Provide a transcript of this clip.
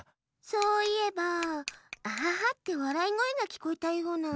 そういえば「アハハ！」ってわらいごえがきこえたような。